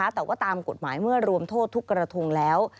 แต่ว่าตามกฎหมายเมื่อรวมโทษทุกกระทงแล้ว